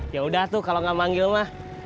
yaudah tuh kalo gak manggil mah